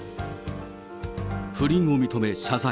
不倫を認め謝罪。